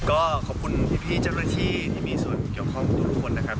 ก็ขอบคุณพี่เจ้าหน้าที่ที่มีส่วนเกี่ยวข้องทุกคนนะครับ